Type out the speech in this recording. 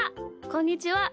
こんにちは。